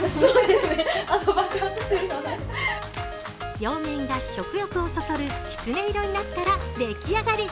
両面が食欲をそそるきつね色になったら出来上がり。